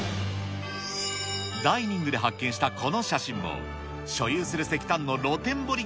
ダイニングで発見したこの写真も、所有する石炭の露天掘り